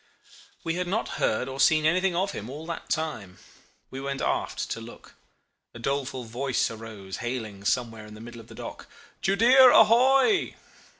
"We had not heard or seen anything of him all that time. We went aft to look. A doleful voice arose hailing somewhere in the middle of the dock, 'Judea ahoy!